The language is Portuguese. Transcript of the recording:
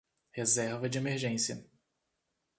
Reserva de emergência